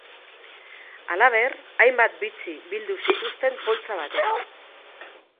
Halaber, hainbat bitxi bildu zituzten poltsa batean.